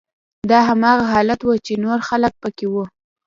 دا هماغه حالت و چې نور خلک پکې وو